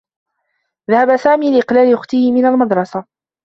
ذهب سامي لإقلال أخته من المدرسة.